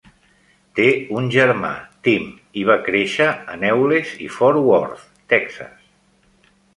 Té un germà, Tim, i va créixer en Euless i Fort Worth, Texas.